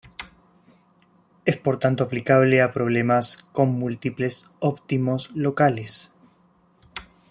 Es por tanto aplicable a problemas con múltiples óptimos locales.